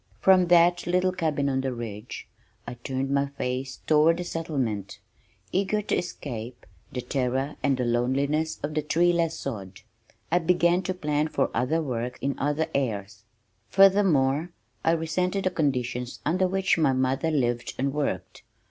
From that little cabin on the ridge I turned my face toward settlement, eager to escape the terror and the loneliness of the treeless sod. I began to plan for other work in other airs. Furthermore, I resented the conditions under which my mother lived and worked.